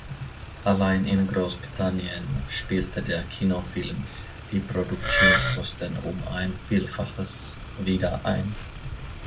Allein in Großbritannien spielte der Kinofilm die Produktionskosten um ein Vielfaches wieder ein.